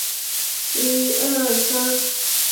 美国队在拳击项目上获得八个参赛席位。